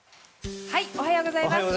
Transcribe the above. おはようございます。